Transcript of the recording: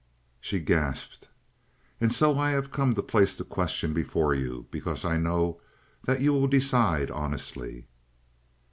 She gasped. "And so I have come to place the question before you, because I know that you will decide honestly."